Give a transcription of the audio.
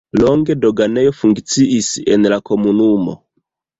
Longe doganejo funkciis en la komunumo.